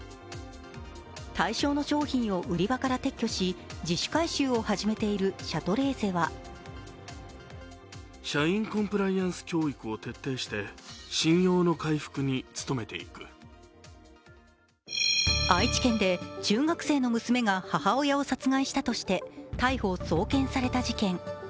対象の商品を売り場から撤去し、自主回収を始めているシャトレーゼは愛知県で中学生の娘が母親を殺害したとして逮捕・送検された事件。